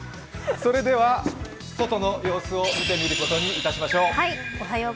それでは外の様子を見てみることにいたしましょう。